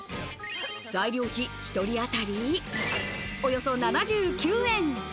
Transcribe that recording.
材料費１人当たりおよそ７９円。